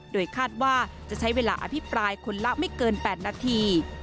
โดยคาดว่าจะใช้เวลาอภิปรายคนละไม่เกิน๘นาที